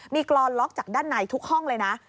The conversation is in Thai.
มีกรอนล็อกจากด้านในทุกห้องเลยนะ